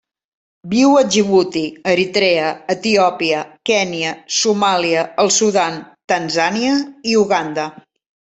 Viu a Djibouti, Eritrea, Etiòpia, Kenya, Somàlia, el Sudan, Tanzània i Uganda.